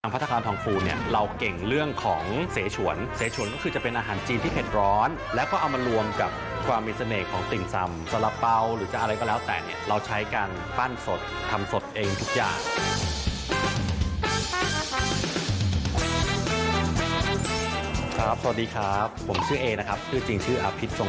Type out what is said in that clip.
โปรดติดตามตอนต่อไป